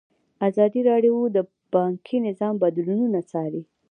ازادي راډیو د بانکي نظام بدلونونه څارلي.